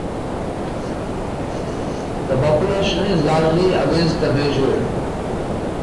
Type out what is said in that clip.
The population is largely against the measure.